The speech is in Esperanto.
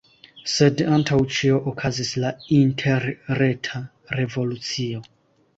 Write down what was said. Sed antaŭ ĉio okazis la interreta revolucio.